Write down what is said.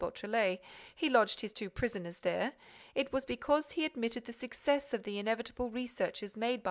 Beautrelet, he lodged his two prisoners there, it was because he admitted the success of the inevitable researches made by M.